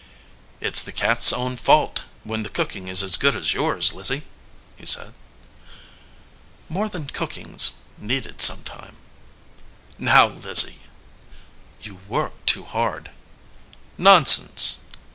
"It is the cat s own fault, 234 THE SOLDIER MAN when the cooking is as good as yours, Lizzie/* he said. "More than cookin s needed sometimes." "Now, Lizzie!" "You work too hard/ "Nonsense!"